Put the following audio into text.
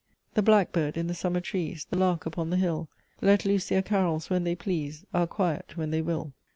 The Blackbird in the summer trees, The Lark upon the hill, Let loose their carols when they please, Are quiet when they will.